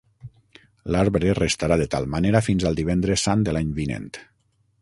L'arbre restarà de tal manera fins al Divendres Sant de l'any vinent.